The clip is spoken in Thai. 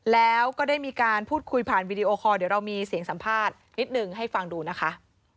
แล้วก็ได้มีการพูดคุยผ่านวีดีโอคอร์เดี๋ยวเรามีเสียงสัมภาษณ์นิดหนึ่งให้ฟังดูนะคะ